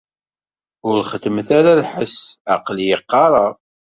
Ur xeddmet ara lḥess. Aql-i qqareɣ.